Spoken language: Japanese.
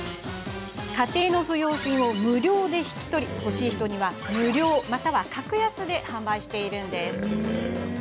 家庭の不要品を無料で引き取り欲しい人には無料または格安で販売しているんです。